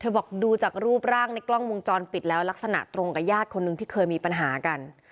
บอกดูจากรูปร่างในกล้องวงจรปิดแล้วลักษณะตรงกับญาติคนหนึ่งที่เคยมีปัญหากัน